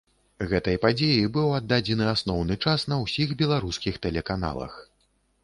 Гэтай падзеі быў аддадзены асноўны час на ўсіх беларускіх тэлеканалах.